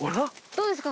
どうですか？